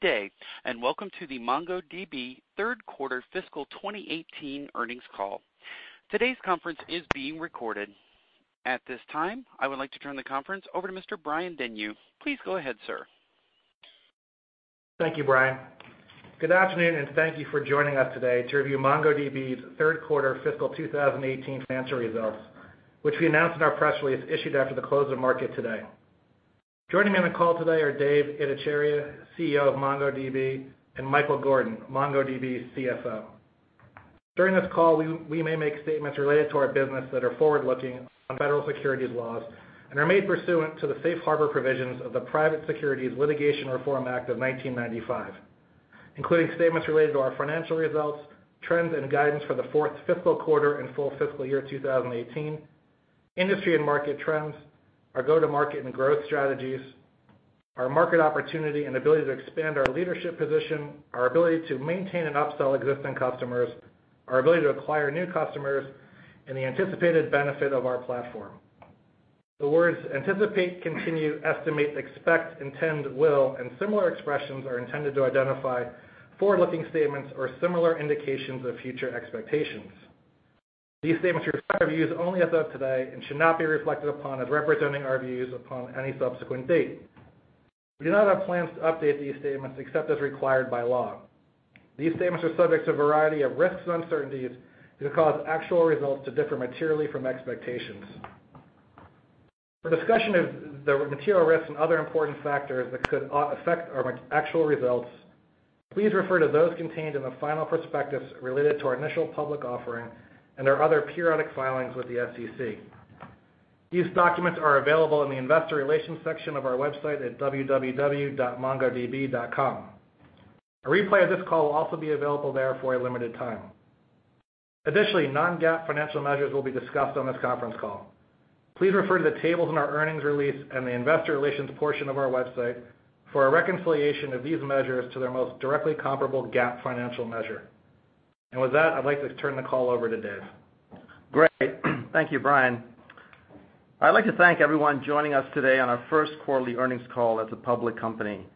Good day, welcome to the MongoDB third quarter fiscal 2018 earnings call. Today's conference is being recorded. At this time, I would like to turn the conference over to Mr. Brian Denyeau. Please go ahead, sir. Thank you, Brian. Good afternoon, thank you for joining us today to review MongoDB's third quarter fiscal 2018 financial results, which we announced in our press release issued after the close of market today. Joining me on the call today are Dev Ittycheria, CEO of MongoDB, and Michael Gordon, MongoDB's CFO. During this call, we may make statements related to our business that are forward-looking under federal securities laws and are made pursuant to the safe harbor provisions of the Private Securities Litigation Reform Act of 1995, including statements related to our financial results, trends and guidance for the fourth fiscal quarter and full fiscal year 2018, industry and market trends, our go-to-market and growth strategies, our market opportunity and ability to expand our leadership position, our ability to maintain and upsell existing customers, our ability to acquire new customers, and the anticipated benefit of our platform. The words anticipate, continue, estimate, expect, intend, will, and similar expressions are intended to identify forward-looking statements or similar indications of future expectations. These statements reflect our views only as of today and should not be relied upon as representing our views upon any subsequent date. We do not have plans to update these statements except as required by law. These statements are subject to a variety of risks and uncertainties that could cause actual results to differ materially from expectations. For discussion of the material risks and other important factors that could affect our actual results, please refer to those contained in the final prospectus related to our initial public offering and our other periodic filings with the SEC. These documents are available in the investor relations section of our website at www.mongodb.com. A replay of this call will also be available there for a limited time. Additionally, non-GAAP financial measures will be discussed on this conference call. Please refer to the tables in our earnings release and the investor relations portion of our website for a reconciliation of these measures to their most directly comparable GAAP financial measure. With that, I'd like to turn the call over to Dev. Great. Thank you, Brian. I'd like to thank everyone joining us today on our first quarterly earnings call as a public company.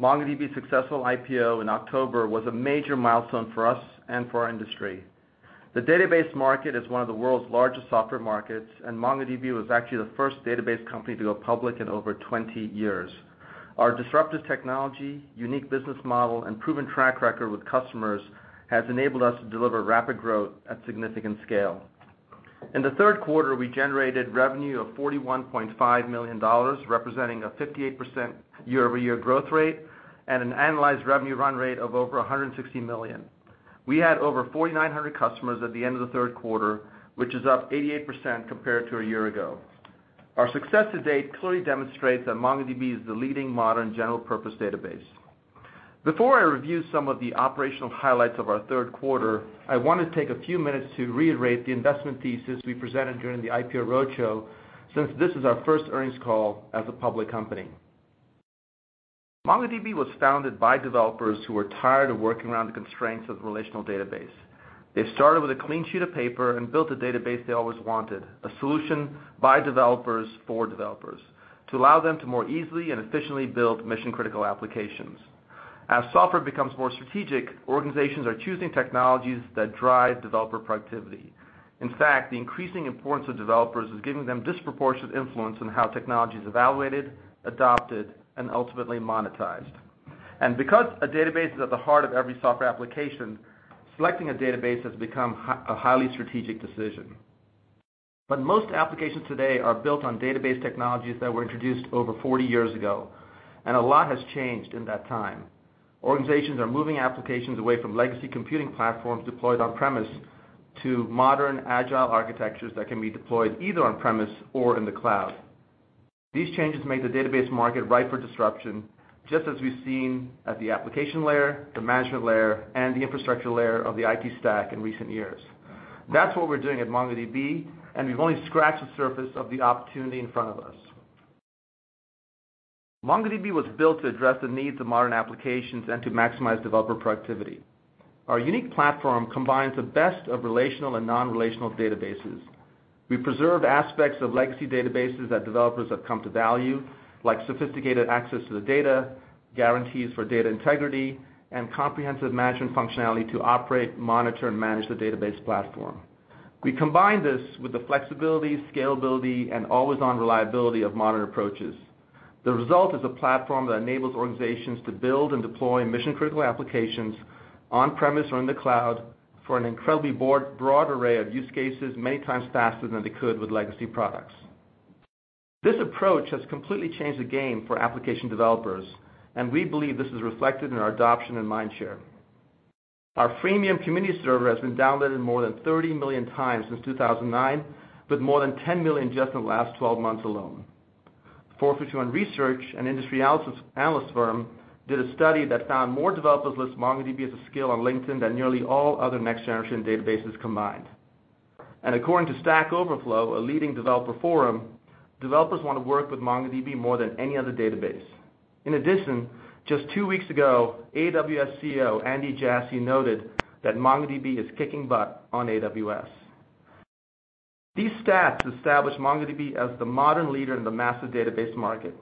MongoDB's successful IPO in October was a major milestone for us and for our industry. The database market is one of the world's largest software markets, and MongoDB was actually the first database company to go public in over 20 years. Our disruptive technology, unique business model, and proven track record with customers has enabled us to deliver rapid growth at significant scale. In the third quarter, we generated revenue of $41.5 million, representing a 58% year-over-year growth rate and an annualized revenue run rate of over $160 million. We had over 4,900 customers at the end of the third quarter, which is up 88% compared to a year ago. Our success to date clearly demonstrates that MongoDB is the leading modern general-purpose database. Before I review some of the operational highlights of our third quarter, I want to take a few minutes to reiterate the investment thesis we presented during the IPO roadshow since this is our first earnings call as a public company. MongoDB was founded by developers who were tired of working around the constraints of the relational database. They started with a clean sheet of paper and built a database they always wanted, a solution by developers for developers, to allow them to more easily and efficiently build mission-critical applications. As software becomes more strategic, organizations are choosing technologies that drive developer productivity. In fact, the increasing importance of developers is giving them disproportionate influence in how technology is evaluated, adopted, and ultimately monetized. Because a database is at the heart of every software application, selecting a database has become a highly strategic decision. Most applications today are built on database technologies that were introduced over 40 years ago, and a lot has changed in that time. Organizations are moving applications away from legacy computing platforms deployed on-premise to modern agile architectures that can be deployed either on-premise or in the cloud. These changes make the database market ripe for disruption, just as we've seen at the application layer, the management layer, and the infrastructure layer of the IT stack in recent years. That's what we're doing at MongoDB, and we've only scratched the surface of the opportunity in front of us. MongoDB was built to address the needs of modern applications and to maximize developer productivity. Our unique platform combines the best of relational and non-relational databases. We preserve aspects of legacy databases that developers have come to value, like sophisticated access to the data, guarantees for data integrity, and comprehensive management functionality to operate, monitor, and manage the database platform. We combine this with the flexibility, scalability, and always-on reliability of modern approaches. The result is a platform that enables organizations to build and deploy mission-critical applications on-premise or in the cloud for an incredibly broad array of use cases, many times faster than they could with legacy products. This approach has completely changed the game for application developers, and we believe this is reflected in our adoption and mindshare. Our freemium Community Server has been downloaded more than 30 million times since 2009, with more than 10 million just in the last 12 months alone. 451 Research, an industry analyst firm, did a study that found more developers list MongoDB as a skill on LinkedIn than nearly all other next-generation databases combined. According to Stack Overflow, a leading developer forum, developers want to work with MongoDB more than any other database. In addition, just 2 weeks ago, AWS CEO Andy Jassy noted that MongoDB is kicking butt on AWS. These stats establish MongoDB as the modern leader in the massive database market.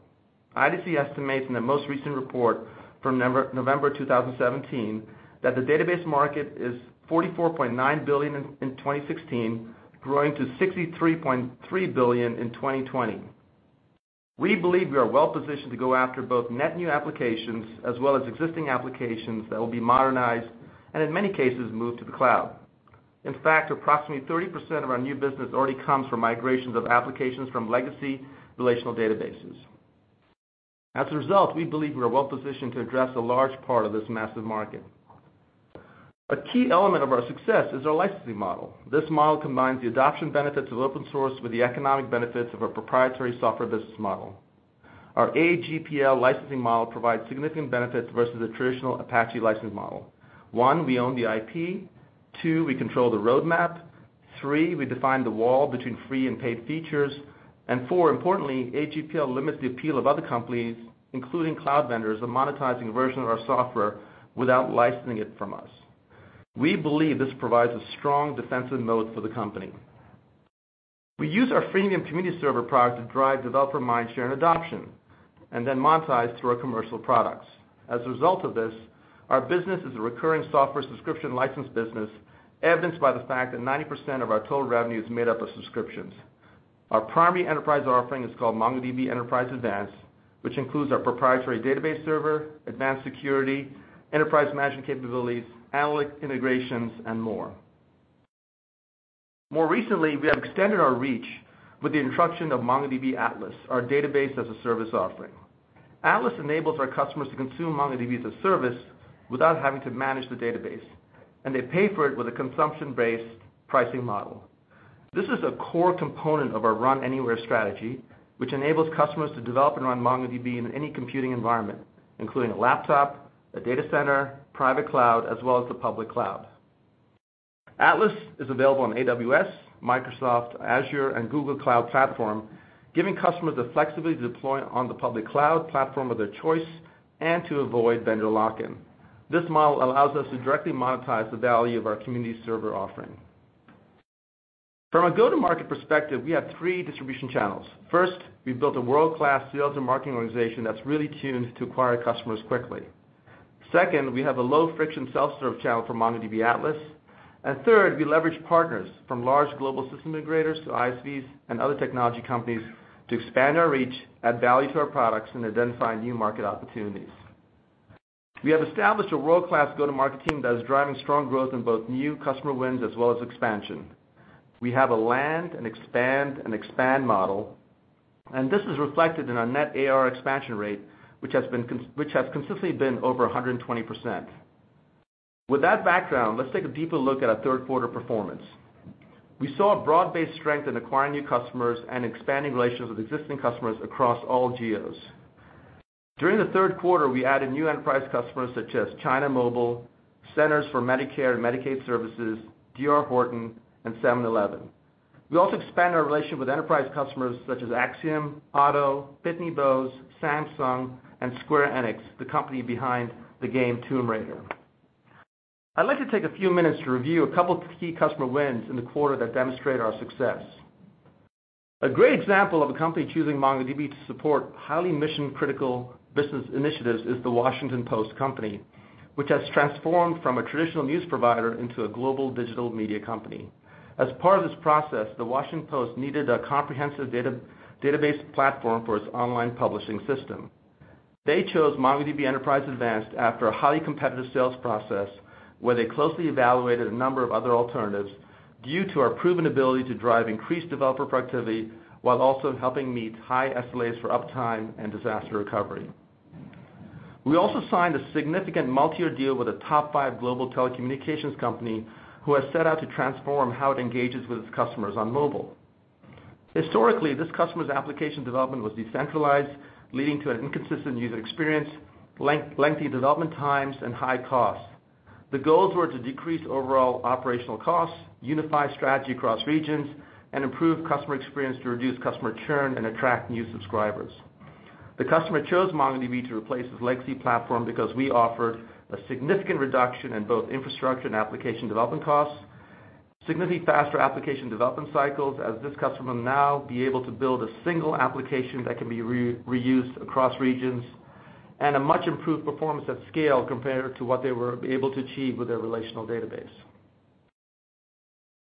IDC estimates in their most recent report from November 2017 that the database market is $44.9 billion in 2016, growing to $63.3 billion in 2020. We believe we are well-positioned to go after both net new applications as well as existing applications that will be modernized, and in many cases, moved to the cloud. In fact, approximately 30% of our new business already comes from migrations of applications from legacy relational databases. As a result, we believe we're well-positioned to address a large part of this massive market. A key element of our success is our licensing model. This model combines the adoption benefits of open source with the economic benefits of a proprietary software business model. Our AGPL licensing model provides significant benefits versus the traditional Apache license model. One, we own the IP. Two, we control the roadmap. Three, we define the wall between free and paid features. Four, importantly, AGPL limits the appeal of other companies, including cloud vendors, of monetizing a version of our software without licensing it from us. We believe this provides a strong defensive mode for the company. We use our freemium Community Server product to drive developer mindshare and adoption, and then monetize through our commercial products. As a result of this, our business is a recurring software subscription license business, evidenced by the fact that 90% of our total revenue is made up of subscriptions. Our primary enterprise offering is called MongoDB Enterprise Advanced, which includes our proprietary database server, advanced security, enterprise management capabilities, analytic integrations, and more. More recently, we have extended our reach with the introduction of MongoDB Atlas, our Database as a Service offering. Atlas enables our customers to consume MongoDB as a service without having to manage the database, and they pay for it with a consumption-based pricing model. This is a core component of our Run Anywhere strategy, which enables customers to develop and run MongoDB in any computing environment, including a laptop, a data center, private cloud, as well as the public cloud. Atlas is available on AWS, Microsoft Azure, and Google Cloud Platform, giving customers the flexibility to deploy on the public cloud platform of their choice and to avoid vendor lock-in. This model allows us to directly monetize the value of our Community Server offering. From a go-to-market perspective, we have 3 distribution channels. First, we've built a world-class sales and marketing organization that's really tuned to acquire customers quickly. Second, we have a low-friction self-serve channel for MongoDB Atlas. Third, we leverage partners from large global system integrators to ISVs and other technology companies to expand our reach, add value to our products, and identify new market opportunities. We have established a world-class go-to-market team that is driving strong growth in both new customer wins as well as expansion. We have a land and expand model, and this is reflected in our net ARR expansion rate, which has consistently been over 120%. With that background, let's take a deeper look at our third quarter performance. We saw broad-based strength in acquiring new customers and expanding relations with existing customers across all geos. During the third quarter, we added new enterprise customers such as China Mobile, Centers for Medicare & Medicaid Services, D.R. Horton, and 7-Eleven. We also expanded our relationship with enterprise customers such as Acxiom, Otto, Bose, Samsung, and Square Enix, the company behind the game Tomb Raider. I'd like to take a few minutes to review a couple key customer wins in the quarter that demonstrate our success. A great example of a company choosing MongoDB to support highly mission-critical business initiatives is The Washington Post, which has transformed from a traditional news provider into a global digital media company. As part of this process, The Washington Post needed a comprehensive database platform for its online publishing system. They chose MongoDB Enterprise Advanced after a highly competitive sales process where they closely evaluated a number of other alternatives due to our proven ability to drive increased developer productivity while also helping meet high SLAs for uptime and disaster recovery. We also signed a significant multi-year deal with a top five global telecommunications company who has set out to transform how it engages with its customers on mobile. Historically, this customer's application development was decentralized, leading to an inconsistent user experience, lengthy development times, and high costs. The goals were to decrease overall operational costs, unify strategy across regions, and improve customer experience to reduce customer churn and attract new subscribers. The customer chose MongoDB to replace his legacy platform because we offered a significant reduction in both infrastructure and application development costs, significantly faster application development cycles as this customer will now be able to build a single application that can be reused across regions, and a much-improved performance at scale compared to what they were able to achieve with their relational database.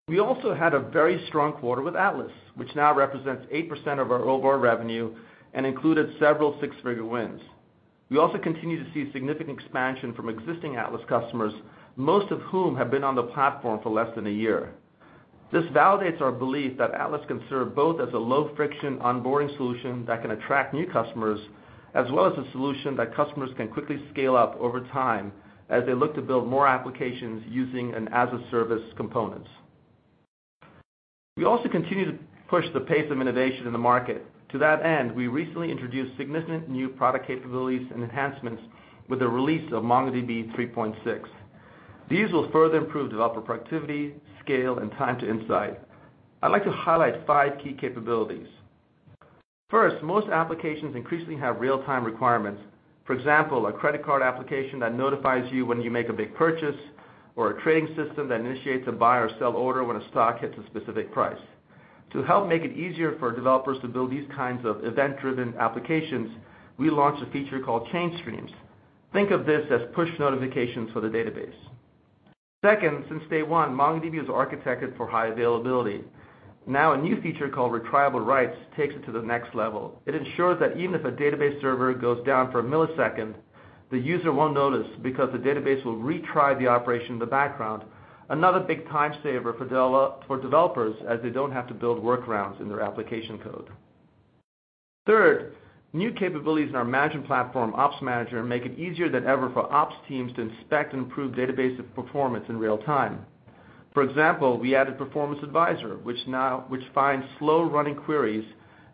We also had a very strong quarter with Atlas, which now represents 8% of our overall revenue and included several six-figure wins. We also continue to see significant expansion from existing Atlas customers, most of whom have been on the platform for less than a year. This validates our belief that Atlas can serve both as a low-friction onboarding solution that can attract new customers, as well as a solution that customers can quickly scale up over time as they look to build more applications using an as-a-service components. We also continue to push the pace of innovation in the market. To that end, we recently introduced significant new product capabilities and enhancements with the release of MongoDB 3.6. These will further improve developer productivity, scale, and time to insight. I'd like to highlight five key capabilities. First, most applications increasingly have real-time requirements. For example, a credit card application that notifies you when you make a big purchase, or a trading system that initiates a buy or sell order when a stock hits a specific price. To help make it easier for developers to build these kinds of event-driven applications, we launched a feature called Change Streams. Think of this as push notifications for the database. Second, since day one, MongoDB was architected for high availability. Now, a new feature called Retriable Writes takes it to the next level. It ensures that even if a database server goes down for a millisecond, the user won't notice because the database will retry the operation in the background. Another big time saver for developers, as they don't have to build workarounds in their application code. Third, new capabilities in our management platform, Ops Manager, make it easier than ever for ops teams to inspect and improve database performance in real time. For example, we added Performance Advisor, which finds slow-running queries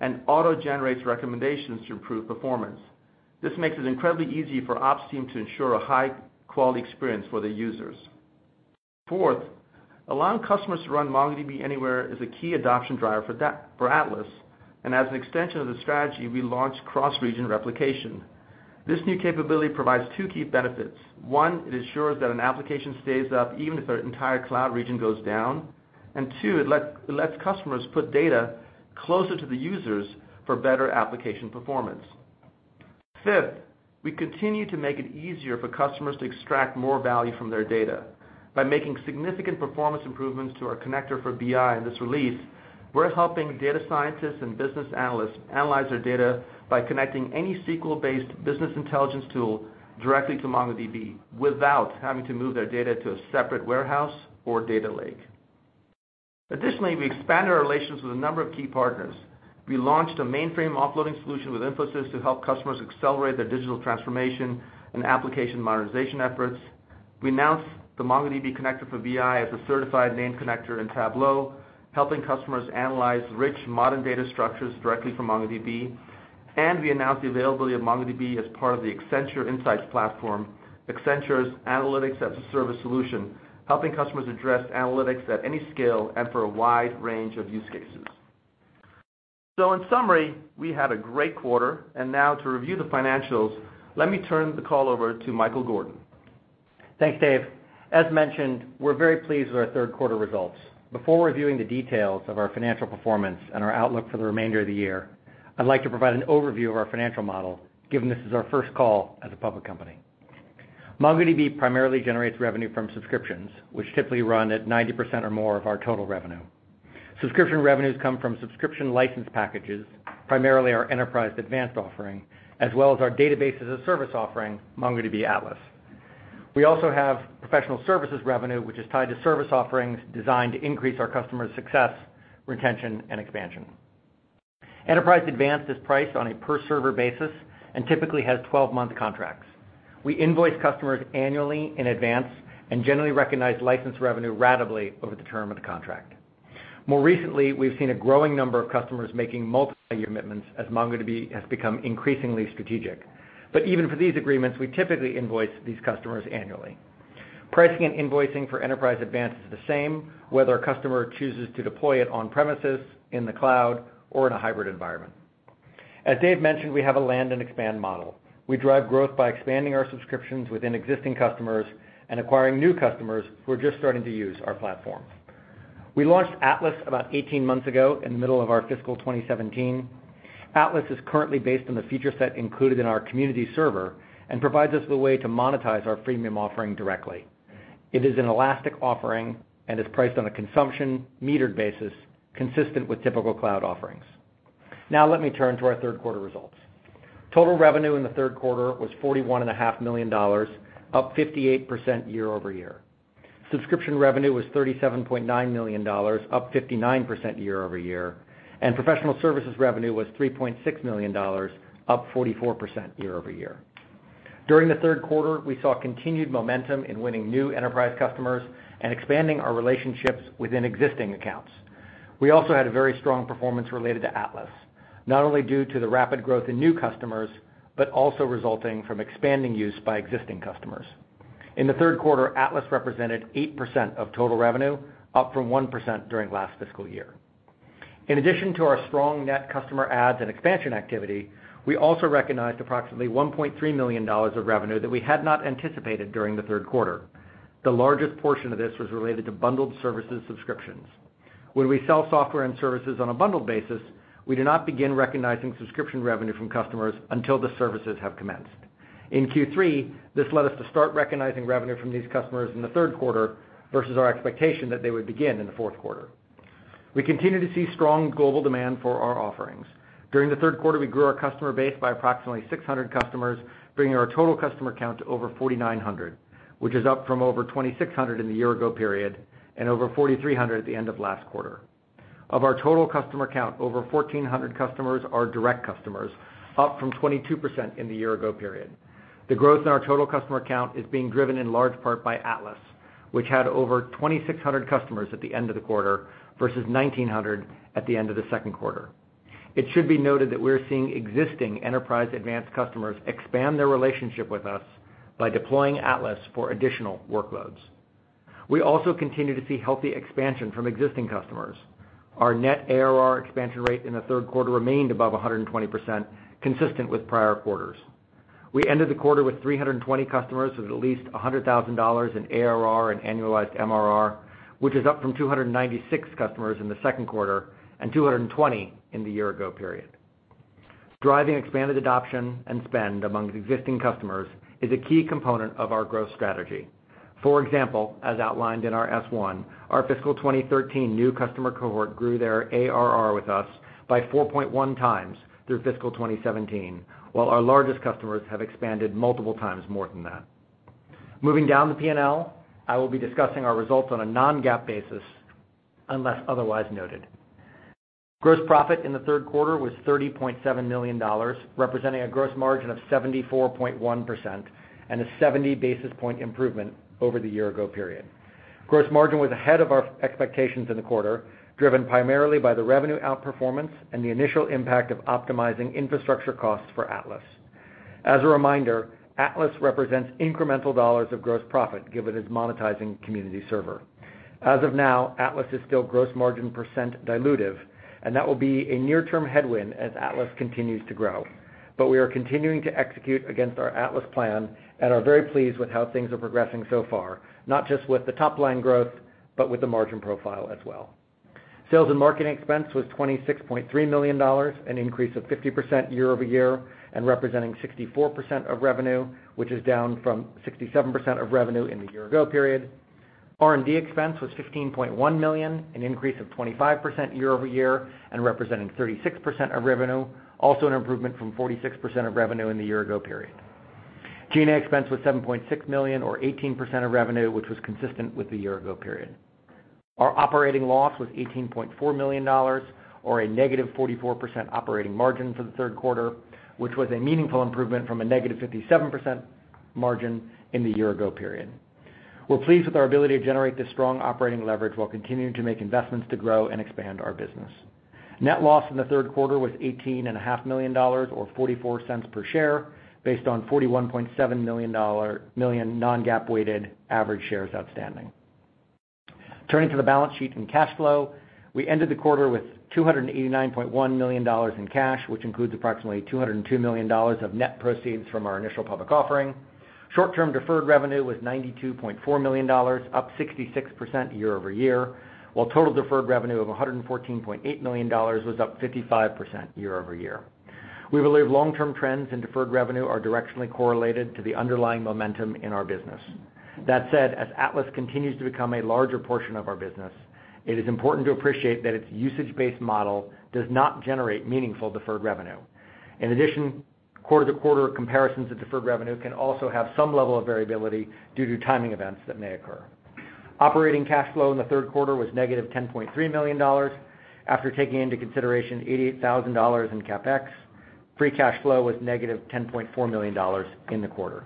and auto-generates recommendations to improve performance. This makes it incredibly easy for ops teams to ensure a high-quality experience for their users. Fourth, allowing customers to run MongoDB anywhere is a key adoption driver for Atlas, and as an extension of the strategy, we launched cross-region replication. This new capability provides 2 key benefits. 1, it ensures that an application stays up even if an entire cloud region goes down. 2, it lets customers put data closer to the users for better application performance. Fifth, we continue to make it easier for customers to extract more value from their data. By making significant performance improvements to our connector for BI in this release, we're helping data scientists and business analysts analyze their data by connecting any SQL-based business intelligence tool directly to MongoDB without having to move their data to a separate warehouse or data lake. Additionally, we expanded our relations with a number of key partners. We launched a mainframe offloading solution with Infosys to help customers accelerate their digital transformation and application modernization efforts. We announced the MongoDB Connector for BI as a certified named connector in Tableau, helping customers analyze rich modern data structures directly from MongoDB. We announced the availability of MongoDB as part of the Accenture Insights Platform, Accenture's analytics-as-a-service solution, helping customers address analytics at any scale and for a wide range of use cases. In summary, we had a great quarter, and now to review the financials, let me turn the call over to Michael Gordon. Thanks, Dev. As mentioned, we're very pleased with our third quarter results. Before reviewing the details of our financial performance and our outlook for the remainder of the year, I'd like to provide an overview of our financial model, given this is our first call as a public company. MongoDB primarily generates revenue from subscriptions, which typically run at 90% or more of our total revenue. Subscription revenues come from subscription license packages, primarily our Enterprise Advanced offering, as well as our Database as a Service offering, MongoDB Atlas. We also have professional services revenue, which is tied to service offerings designed to increase our customers' success, retention, and expansion. Enterprise Advanced is priced on a per-server basis and typically has 12-month contracts. We invoice customers annually in advance and generally recognize licensed revenue ratably over the term of the contract. More recently, we've seen a growing number of customers making multi-year commitments as MongoDB has become increasingly strategic. Even for these agreements, we typically invoice these customers annually. Pricing and invoicing for Enterprise Advanced is the same, whether a customer chooses to deploy it on premises, in the cloud, or in a hybrid environment. As Dev mentioned, we have a land and expand model. We drive growth by expanding our subscriptions within existing customers and acquiring new customers who are just starting to use our platform. We launched Atlas about 18 months ago in the middle of our fiscal 2017. Atlas is currently based on the feature set included in our Community Server and provides us with a way to monetize our freemium offering directly. It is an elastic offering and is priced on a consumption, metered basis consistent with typical cloud offerings. Let me turn to our third quarter results. Total revenue in the third quarter was $41.5 million, up 58% year-over-year. Subscription revenue was $37.9 million, up 59% year-over-year, and professional services revenue was $3.6 million, up 44% year-over-year. During the third quarter, we saw continued momentum in winning new enterprise customers and expanding our relationships within existing accounts. We also had a very strong performance related to Atlas, not only due to the rapid growth in new customers, but also resulting from expanding use by existing customers. In the third quarter, Atlas represented 8% of total revenue, up from 1% during last fiscal year. In addition to our strong net customer adds and expansion activity, we also recognized approximately $1.3 million of revenue that we had not anticipated during the third quarter. The largest portion of this was related to bundled services subscriptions. When we sell software and services on a bundled basis, we do not begin recognizing subscription revenue from customers until the services have commenced. In Q3, this led us to start recognizing revenue from these customers in the third quarter versus our expectation that they would begin in the fourth quarter. We continue to see strong global demand for our offerings. During the third quarter, we grew our customer base by approximately 600 customers, bringing our total customer count to over 4,900, which is up from over 2,600 in the year-ago period and over 4,300 at the end of last quarter. Of our total customer count, over 1,400 customers are direct customers, up from 22% in the year-ago period. The growth in our total customer count is being driven in large part by Atlas, which had over 2,600 customers at the end of the quarter versus 1,900 at the end of the second quarter. It should be noted that we're seeing existing Enterprise Advanced customers expand their relationship with us by deploying Atlas for additional workloads. We also continue to see healthy expansion from existing customers. Our net ARR expansion rate in the third quarter remained above 120%, consistent with prior quarters. We ended the quarter with 320 customers with at least $100,000 in ARR and annualized MRR, which is up from 296 customers in the second quarter and 220 in the year-ago period. Driving expanded adoption and spend among existing customers is a key component of our growth strategy. For example, as outlined in our S1, our fiscal 2013 new customer cohort grew their ARR with us by 4.1 times through fiscal 2017, while our largest customers have expanded multiple times more than that. Moving down the P&L, I will be discussing our results on a non-GAAP basis unless otherwise noted. Gross profit in the third quarter was $30.7 million, representing a gross margin of 74.1% and a 70-basis-point improvement over the year-ago period. Gross margin was ahead of our expectations in the quarter, driven primarily by the revenue outperformance and the initial impact of optimizing infrastructure costs for Atlas. As a reminder, Atlas represents incremental dollars of gross profit given it's monetizing Community Server. As of now, Atlas is still gross margin percent dilutive, that will be a near-term headwind as Atlas continues to grow. We are continuing to execute against our Atlas plan and are very pleased with how things are progressing so far, not just with the top-line growth, but with the margin profile as well. Sales and marketing expense was $26.3 million, an increase of 50% year-over-year and representing 64% of revenue, which is down from 67% of revenue in the year-ago period. R&D expense was $15.1 million, an increase of 25% year-over-year and representing 36% of revenue, also an improvement from 46% of revenue in the year-ago period. G&A expense was $7.6 million or 18% of revenue, which was consistent with the year-ago period. Our operating loss was $18.4 million or a negative 44% operating margin for the third quarter, which was a meaningful improvement from a negative 57% margin in the year-ago period. We're pleased with our ability to generate this strong operating leverage while continuing to make investments to grow and expand our business. Net loss in the third quarter was $18.5 million or $0.44 per share based on $41.7 million non-GAAP weighted average shares outstanding. Turning to the balance sheet and cash flow, we ended the quarter with $289.1 million in cash, which includes approximately $202 million of net proceeds from our initial public offering. Short-term deferred revenue was $92.4 million, up 66% year-over-year, while total deferred revenue of $114.8 million was up 55% year-over-year. We believe long-term trends in deferred revenue are directionally correlated to the underlying momentum in our business. That said, as Atlas continues to become a larger portion of our business, it is important to appreciate that its usage-based model does not generate meaningful deferred revenue. In addition, quarter-to-quarter comparisons of deferred revenue can also have some level of variability due to timing events that may occur. Operating cash flow in the third quarter was negative $10.3 million. After taking into consideration $88,000 in CapEx, free cash flow was negative $10.4 million in the quarter.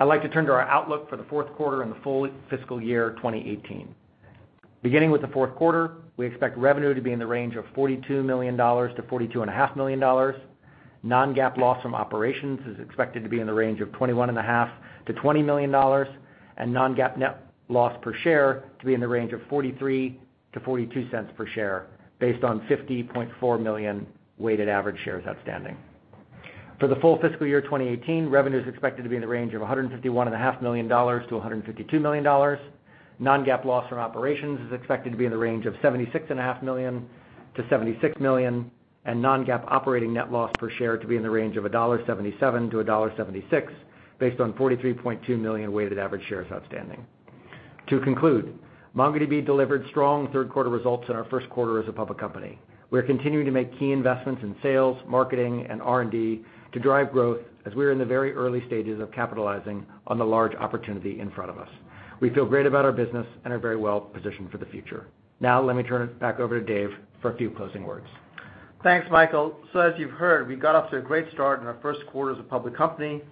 I'd like to turn to our outlook for the fourth quarter and the full fiscal year 2018. Beginning with the fourth quarter, we expect revenue to be in the range of $42 million-$42.5 million. Non-GAAP loss from operations is expected to be in the range of $21.5 million-$20 million and non-GAAP net loss per share to be in the range of $0.43-$0.42 per share based on 50.4 million weighted average shares outstanding. For the full fiscal year 2018, revenue is expected to be in the range of $151.5 million-$152 million. Non-GAAP loss from operations is expected to be in the range of $76.5 million-$76 million, and non-GAAP operating net loss per share to be in the range of $1.77-$1.76 based on 43.2 million weighted average shares outstanding. To conclude, MongoDB delivered strong third quarter results in our first quarter as a public company. We're continuing to make key investments in sales, marketing, and R&D to drive growth as we are in the very early stages of capitalizing on the large opportunity in front of us. We feel great about our business and are very well positioned for the future. Let me turn it back over to Dev for a few closing words. Thanks, Michael. As you've heard, we got off to a great start in our first quarter as a public company.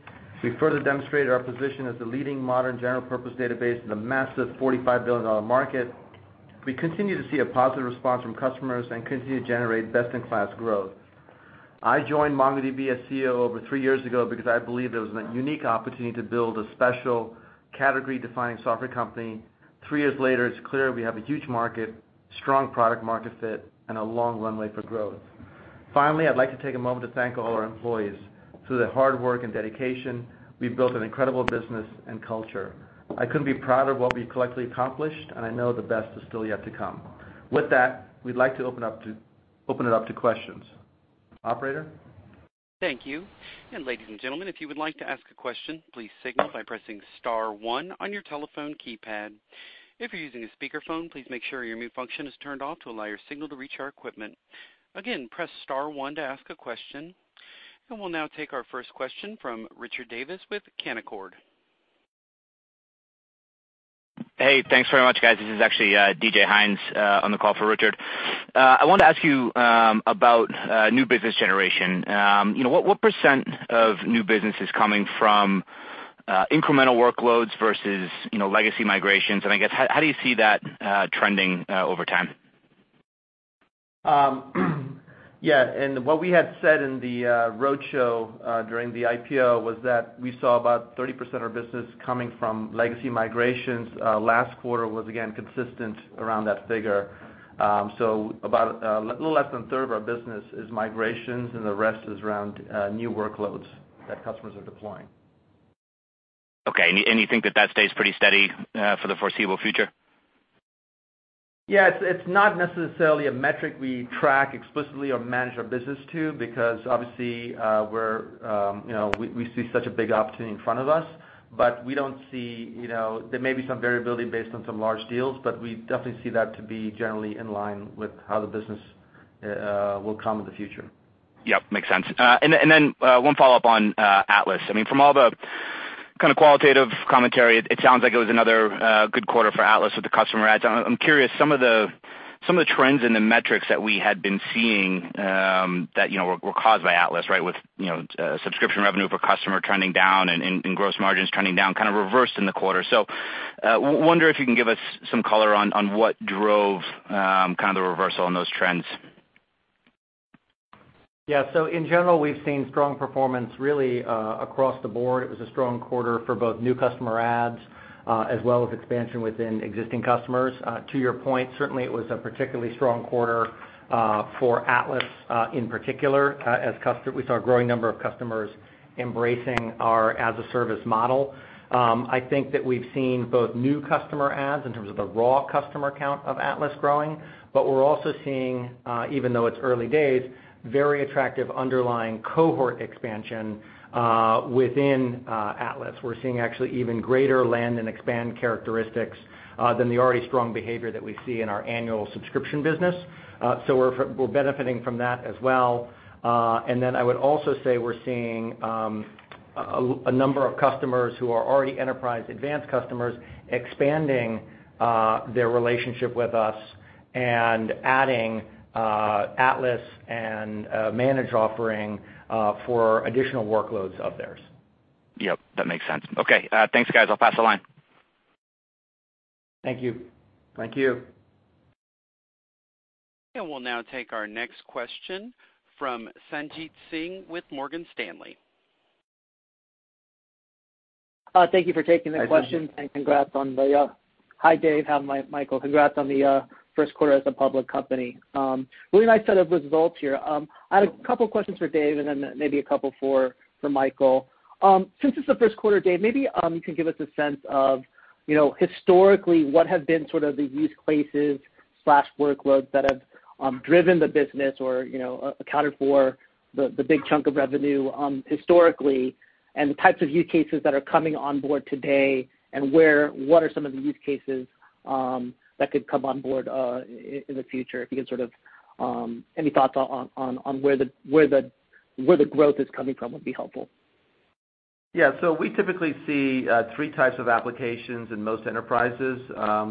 We further demonstrated our position as the leading modern general-purpose database in a massive $45 billion market. We continue to see a positive response from customers and continue to generate best-in-class growth. I joined MongoDB as CEO over three years ago because I believed it was a unique opportunity to build a special category-defining software company. Three years later, it's clear we have a huge market, strong product-market fit, and a long runway for growth. Finally, I'd like to take a moment to thank all our employees. Through their hard work and dedication, we've built an incredible business and culture. I couldn't be prouder of what we've collectively accomplished, and I know the best is still yet to come. With that, we'd like to open it up to questions. Operator? Thank you. Ladies and gentlemen, if you would like to ask a question, please signal by pressing *1 on your telephone keypad. If you're using a speakerphone, please make sure your mute function is turned off to allow your signal to reach our equipment. Again, press *1 to ask a question. We'll now take our first question from Richard Davis with Canaccord. Hey, thanks very much, guys. This is actually DJ Hynes on the call for Richard. I wanted to ask you about new business generation. What % of new business is coming from incremental workloads versus legacy migrations, and I guess, how do you see that trending over time? Yeah. What we had said in the roadshow during the IPO was that we saw about 30% of our business coming from legacy migrations. Last quarter was, again, consistent around that figure. About a little less than a third of our business is migrations, and the rest is around new workloads that customers are deploying. Okay. You think that that stays pretty steady for the foreseeable future? Yeah. It's not necessarily a metric we track explicitly or manage our business to because obviously we see such a big opportunity in front of us. There may be some variability based on some large deals, we definitely see that to be generally in line with how the business will come in the future. Yep, makes sense. One follow-up on Atlas. From all the kind of qualitative commentary, it sounds like it was another good quarter for Atlas with the customer adds. I'm curious, some of the trends in the metrics that we had been seeing that were caused by Atlas, with subscription revenue per customer trending down and gross margins trending down, kind of reversed in the quarter. Wonder if you can give us some color on what drove kind of the reversal in those trends. Yeah. In general, we've seen strong performance really across the board. It was a strong quarter for both new customer adds as well as expansion within existing customers. To your point, certainly it was a particularly strong quarter for Atlas in particular, as we saw a growing number of customers embracing our as-a-service model. I think that we've seen both new customer adds in terms of the raw customer count of Atlas growing, we're also seeing, even though it's early days, very attractive underlying cohort expansion within Atlas. We're seeing actually even greater land and expand characteristics than the already strong behavior that we see in our annual subscription business. We're benefiting from that as well. I would also say we're seeing a number of customers who are already Enterprise Advanced customers expanding their relationship with us and adding Atlas and a managed offering for additional workloads of theirs. Yep, that makes sense. Okay, thanks guys. I'll pass the line. Thank you. Thank you. We'll now take our next question from Sanjit Singh with Morgan Stanley. Thank you for taking the question. Hi, Sanjit. Congrats on the first quarter as a public company. Hi, Dev. Hi, Michael. Really nice set of results here. I had a couple questions for Dev and then maybe a couple for Michael. Since it's the first quarter, Dev, maybe you can give us a sense of historically what have been sort of the use cases/workloads that have driven the business or accounted for the big chunk of revenue historically, and the types of use cases that are coming on board today, and what are some of the use cases that could come on board in the future? Any thoughts on where the growth is coming from would be helpful. We typically see 3 types of applications in most enterprises.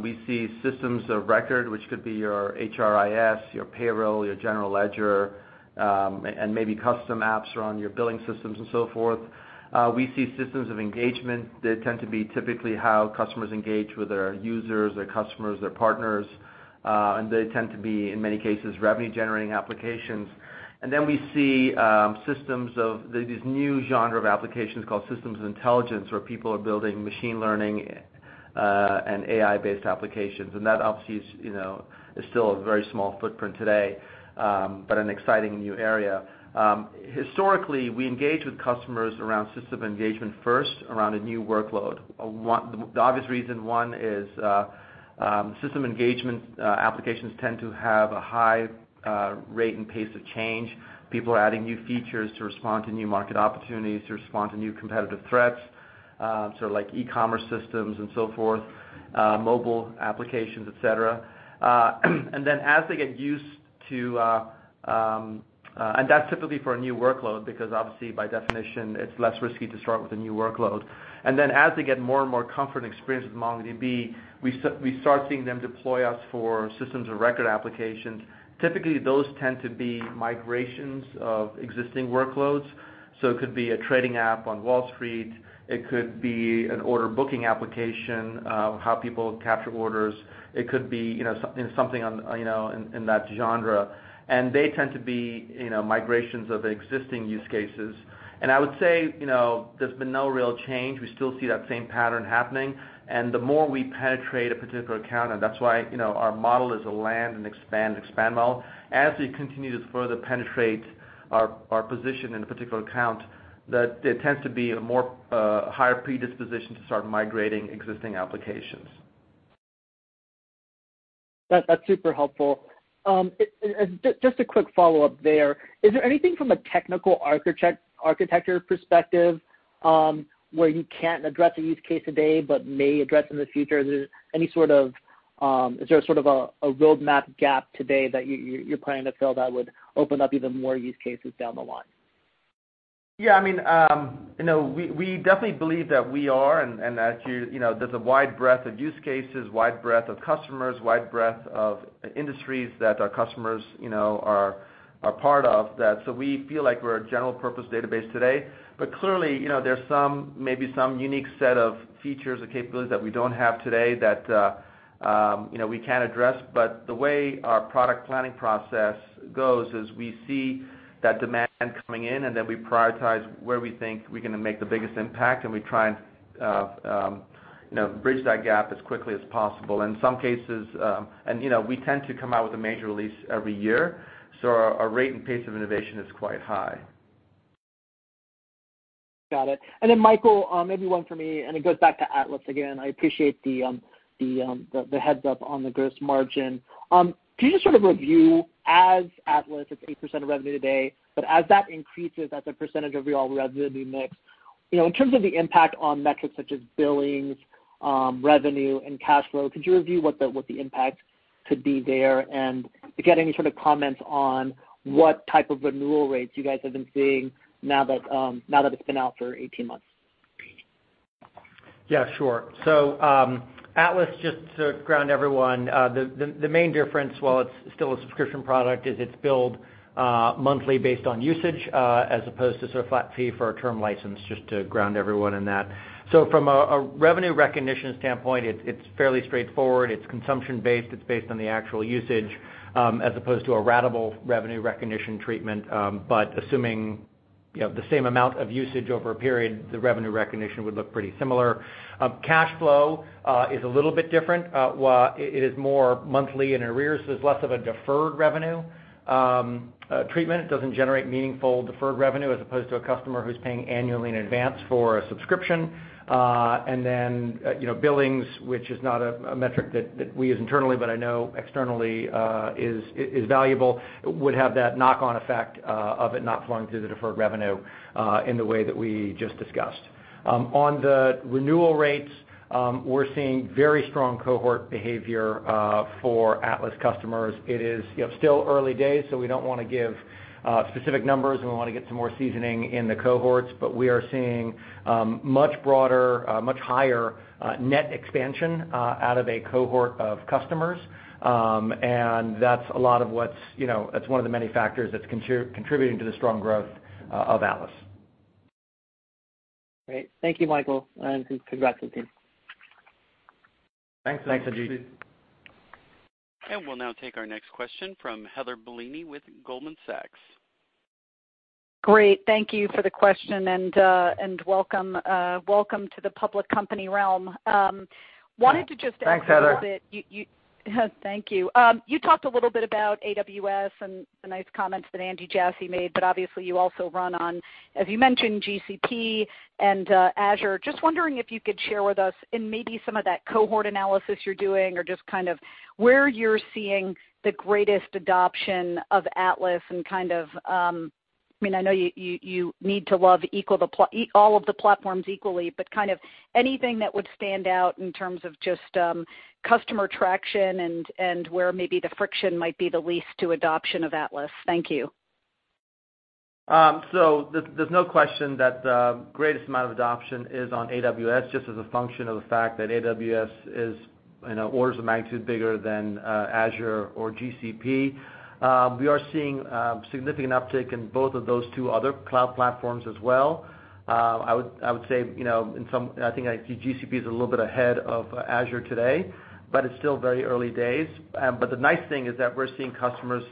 We see systems of record, which could be your HRIS, your payroll, your general ledger, and maybe custom apps around your billing systems and so forth. We see systems of engagement that tend to be typically how customers engage with their users, their customers, their partners. They tend to be, in many cases, revenue-generating applications. Then we see these new genre of applications called systems of intelligence, where people are building machine learning and AI-based applications. That obviously is still a very small footprint today, but an exciting new area. Historically, we engage with customers around system engagement first around a new workload. The obvious reason, one is system engagement applications tend to have a high rate and pace of change. People are adding new features to respond to new market opportunities, to respond to new competitive threats, sort of like e-commerce systems and so forth, mobile applications, et cetera. That's typically for a new workload because obviously by definition it's less risky to start with a new workload. Then as they get more and more comfort and experience with MongoDB, we start seeing them deploy us for systems of record applications. Typically, those tend to be migrations of existing workloads. It could be a trading app on Wall Street, it could be an order booking application, how people capture orders. It could be something in that genre. They tend to be migrations of existing use cases. I would say, there's been no real change. We still see that same pattern happening. The more we penetrate a particular account, and that's why our model is a land and expand model. As we continue to further penetrate our position in a particular account, there tends to be a more higher predisposition to start migrating existing applications. That's super helpful. Just a quick follow-up there. Is there anything from a technical architecture perspective where you can't address a use case today but may address in the future? Is there sort of a roadmap gap today that you're planning to fill that would open up even more use cases down the line? Yeah, we definitely believe that we are, and there's a wide breadth of use cases, wide breadth of customers, wide breadth of industries that our customers are part of that. We feel like we're a general purpose database today. Clearly, there's maybe some unique set of features or capabilities that we don't have today that we can address. The way our product planning process goes is we see that demand coming in, we prioritize where we think we're going to make the biggest impact, and we try and bridge that gap as quickly as possible. In some cases, we tend to come out with a major release every year, our rate and pace of innovation is quite high. Got it. Michael, maybe one for me, and it goes back to Atlas again. I appreciate the heads-up on the gross margin. Can you just sort of review, as Atlas, it's 8% of revenue today, but as that increases as a percentage of your overall revenue mix, in terms of the impact on metrics such as billings, revenue, and cash flow, could you review what the impact could be there and get any sort of comments on what type of renewal rates you guys have been seeing now that it's been out for 18 months? Yeah, sure. Atlas, just to ground everyone, the main difference, while it's still a subscription product, is it's billed monthly based on usage, as opposed to sort of flat fee for a term license, just to ground everyone in that. From a revenue recognition standpoint, it's fairly straightforward. It's consumption-based. It's based on the actual usage, as opposed to a ratable revenue recognition treatment. Assuming the same amount of usage over a period, the revenue recognition would look pretty similar. Cash flow is a little bit different. While it is more monthly in arrears, it's less of a deferred revenue treatment. It doesn't generate meaningful deferred revenue as opposed to a customer who's paying annually in advance for a subscription. Billings, which is not a metric that we use internally, but I know externally is valuable, would have that knock-on effect of it not flowing through the deferred revenue in the way that we just discussed. On the renewal rates, we're seeing very strong cohort behavior for Atlas customers. It is still early days, so we don't want to give specific numbers, and we want to get some more seasoning in the cohorts. We are seeing much broader, much higher net expansion out of a cohort of customers. That's one of the many factors that's contributing to the strong growth of Atlas. Great. Thank you, Michael, congrats to the team. Thanks, Sanjit. Thanks, Sanjit. We'll now take our next question from Heather Bellini with Goldman Sachs. Great. Thank you for the question. Welcome to the public company realm. Thanks, Heather. Thank you. You talked a little bit about AWS and the nice comments that Andy Jassy made. Obviously you also run on, as you mentioned, GCP and Azure. Just wondering if you could share with us in maybe some of that cohort analysis you're doing or just where you're seeing the greatest adoption of Atlas and, I know you need to love all of the platforms equally. Kind of anything that would stand out in terms of just customer traction and where maybe the friction might be the least to adoption of Atlas. Thank you. There's no question that the greatest amount of adoption is on AWS just as a function of the fact that AWS is orders of magnitude bigger than Azure or GCP. We are seeing significant uptick in both of those two other cloud platforms as well. I would say, I think GCP is a little bit ahead of Azure today, but it's still very early days. The nice thing is that we're seeing customers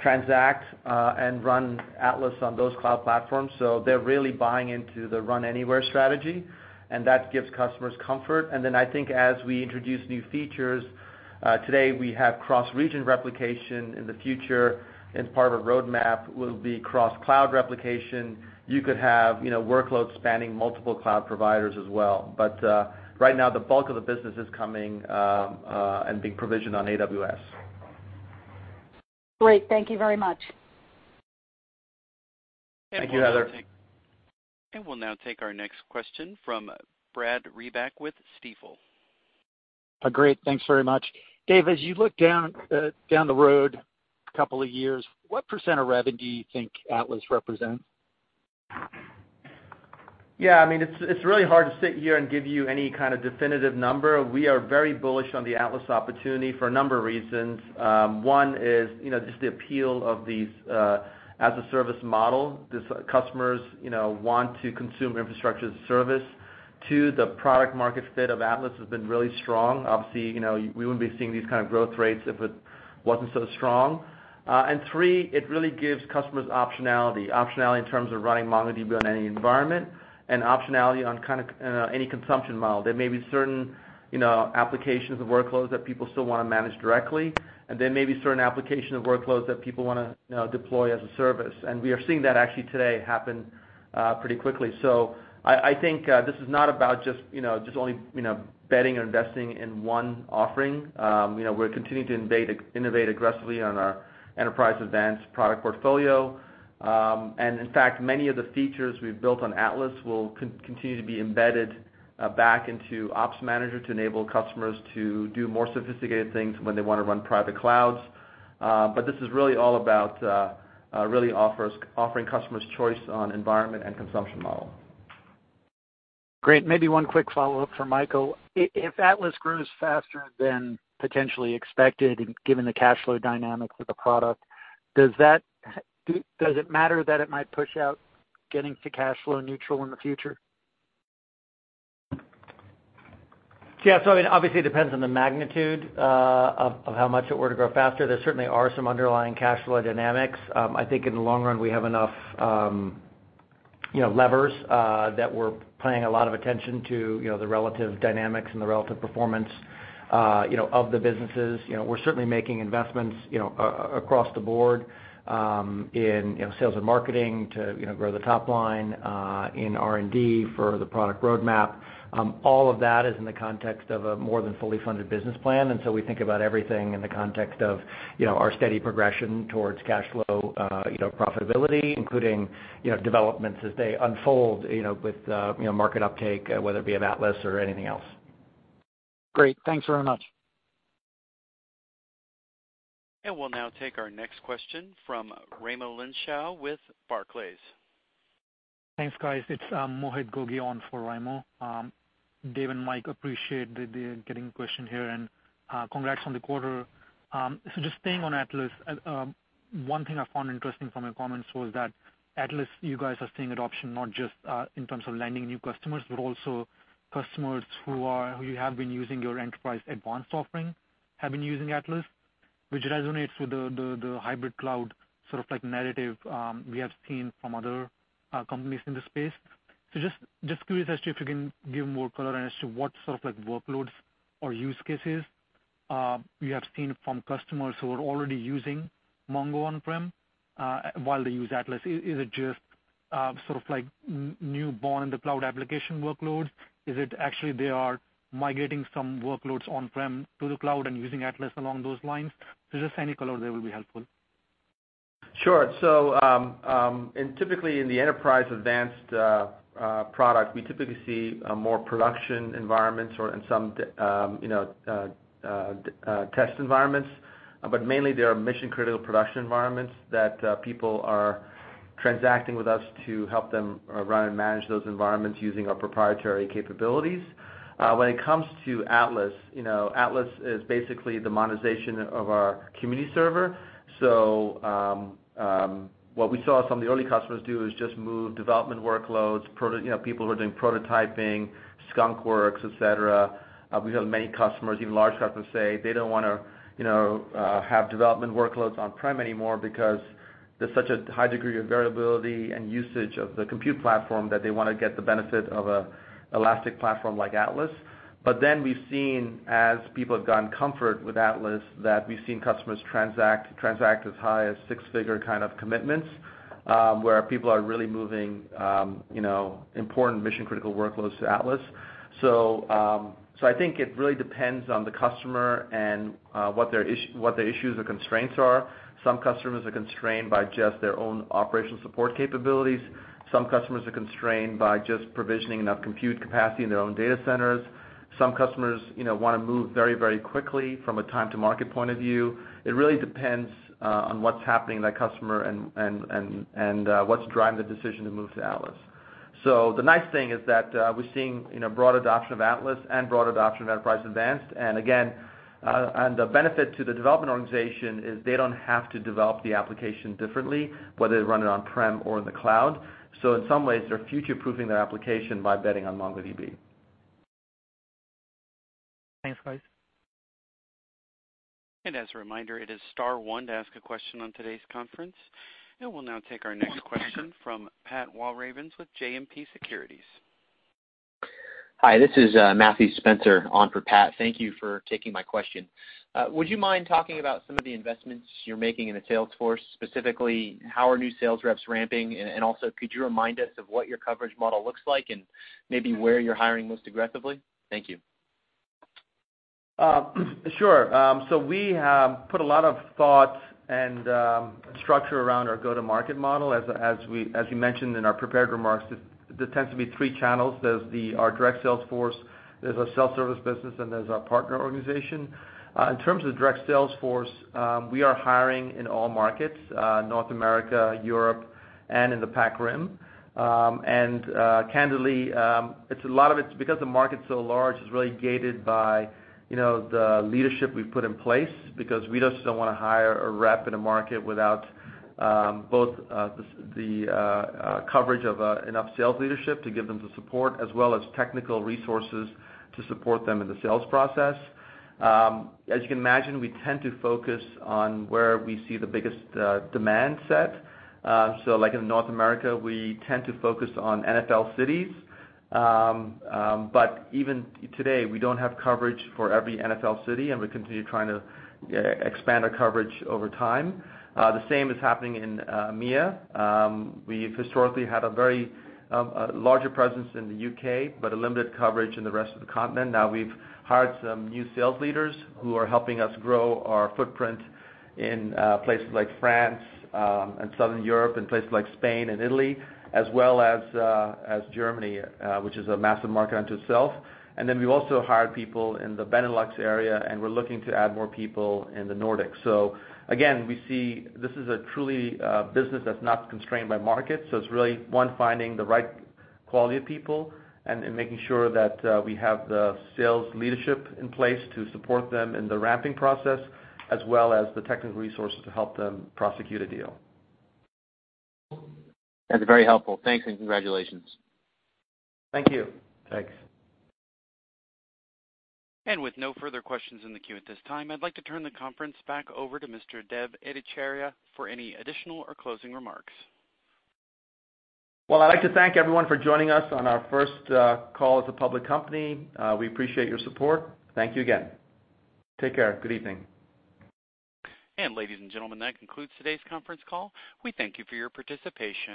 transact and run Atlas on those cloud platforms, so they're really buying into the run anywhere strategy, and that gives customers comfort. I think as we introduce new features, today we have cross-region replication. In the future, as part of a roadmap, will be cross-cloud replication. You could have workloads spanning multiple cloud providers as well. Right now, the bulk of the business is coming and being provisioned on AWS. Great. Thank you very much. Thank you, Heather. We'll now take our next question from Brad Reback with Stifel. Great, thanks very much. Dev, as you look down the road a couple of years, what percent of revenue do you think Atlas represents? Yeah, it is really hard to sit here and give you any kind of definitive number. We are very bullish on the Atlas opportunity for a number of reasons. One is just the appeal of these as a service model. These customers want to consume infrastructure as a service. Two, the product market fit of Atlas has been really strong. Obviously, we wouldn't be seeing these kind of growth rates if it wasn't so strong. Three, it really gives customers optionality. Optionality in terms of running MongoDB on any environment and optionality on any consumption model. There may be certain applications of workloads that people still want to manage directly, and there may be certain application of workloads that people want to deploy as a service. We are seeing that actually today happen pretty quickly. I think this is not about just only betting or investing in one offering. We're continuing to innovate aggressively on our Enterprise Advanced product portfolio. In fact, many of the features we've built on Atlas will continue to be embedded back into Ops Manager to enable customers to do more sophisticated things when they want to run private clouds. This is really all about really offering customers choice on environment and consumption model. Great. Maybe one quick follow-up from Michael. If Atlas grows faster than potentially expected, given the cash flow dynamics of the product, does it matter that it might push out getting to cash flow neutral in the future? Yeah. Obviously, it depends on the magnitude of how much it were to grow faster. There certainly are some underlying cash flow dynamics. I think in the long run, we have enough levers that we're paying a lot of attention to the relative dynamics and the relative performance of the businesses. We're certainly making investments across the board in sales and marketing to grow the top line, in R&D for the product roadmap. All of that is in the context of a more than fully funded business plan, and we think about everything in the context of our steady progression towards cash flow profitability, including developments as they unfold with market uptake, whether it be of Atlas or anything else. Great. Thanks very much. We'll now take our next question from Raimo Lenschow with Barclays. Thanks, guys. It's Mohit Gogia on for Raimo. Dev and Mike, appreciate getting a question here, and congrats on the quarter. Just staying on Atlas, one thing I found interesting from your comments was that Atlas, you guys are seeing adoption not just in terms of landing new customers, but also customers who have been using your Enterprise Advanced offering have been using Atlas, which resonates with the hybrid cloud narrative we have seen from other companies in the space. Just curious as to if you can give more color as to what sort of workloads or use cases you have seen from customers who are already using Mongo on-prem while they use Atlas. Is it just sort of like newborn in the cloud application workloads? Is it actually they are migrating some workloads on-prem to the cloud and using Atlas along those lines? Just any color there will be helpful. Sure. Typically in the Enterprise Advanced product, we typically see more production environments or in some test environments. Mainly, they are mission-critical production environments that people are transacting with us to help them run and manage those environments using our proprietary capabilities. When it comes to Atlas is basically the monetization of our Community Server. What we saw some of the early customers do is just move development workloads, people who are doing prototyping, skunk works, et cetera. We've had many customers, even large customers, say they don't want to have development workloads on-prem anymore because there's such a high degree of variability and usage of the compute platform that they want to get the benefit of an elastic platform like Atlas. We've seen, as people have gotten comfort with Atlas, that we've seen customers transact as high as six-figure kind of commitments, where people are really moving important mission-critical workloads to Atlas. I think it really depends on the customer and what their issues or constraints are. Some customers are constrained by just their own operational support capabilities. Some customers are constrained by just provisioning enough compute capacity in their own data centers. Some customers want to move very quickly from a time-to-market point of view. It really depends on what's happening in that customer and what's driving the decision to move to Atlas. The nice thing is that we're seeing broad adoption of Atlas and broad adoption of Enterprise Advanced. Again, the benefit to the development organization is they don't have to develop the application differently, whether they run it on-prem or in the cloud. In some ways, they're future-proofing their application by betting on MongoDB. Thanks, guys. As a reminder, it is star one to ask a question on today's conference. We'll now take our next question from Patrick Walravens with JMP Securities. Hi, this is Mathew Spencer on for Pat. Thank you for taking my question. Would you mind talking about some of the investments you're making in the sales force? Specifically, how are new sales reps ramping, and also could you remind us of what your coverage model looks like and maybe where you're hiring most aggressively? Thank you. Sure. We put a lot of thought and structure around our go-to-market model. As you mentioned in our prepared remarks, there tends to be three channels. There's our direct sales force, there's our self-service business, and there's our partner organization. In terms of direct sales force, we are hiring in all markets, North America, Europe, and in the PAC RIM. Candidly, a lot of it's because the market's so large, it's really gated by the leadership we've put in place because we just don't want to hire a rep in a market without both the coverage of enough sales leadership to give them the support as well as technical resources to support them in the sales process. As you can imagine, we tend to focus on where we see the biggest demand set. Like in North America, we tend to focus on NFL cities. Even today, we don't have coverage for every NFL city, and we continue trying to expand our coverage over time. The same is happening in EMEA. We've historically had a very larger presence in the U.K., but a limited coverage in the rest of the continent. Now we've hired some new sales leaders who are helping us grow our footprint in places like France and Southern Europe, and places like Spain and Italy, as well as Germany, which is a massive market unto itself. Then we've also hired people in the Benelux area, and we're looking to add more people in the Nordics. Again, we see this is truly a business that's not constrained by markets. It's really, one, finding the right quality of people and making sure that we have the sales leadership in place to support them in the ramping process, as well as the technical resources to help them prosecute a deal. That's very helpful. Thanks, and congratulations. Thank you. Thanks. With no further questions in the queue at this time, I'd like to turn the conference back over to Mr. Dev Ittycheria for any additional or closing remarks. Well, I'd like to thank everyone for joining us on our first call as a public company. We appreciate your support. Thank you again. Take care. Good evening. Ladies and gentlemen, that concludes today's conference call. We thank you for your participation.